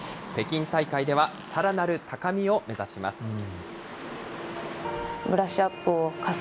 北京大会ではさらなる高みを目指します。